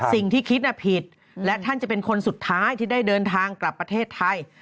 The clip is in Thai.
คิดผิดและท่านจะเป็นคนสุดท้ายที่ได้เดินทางกลับประเทศไทย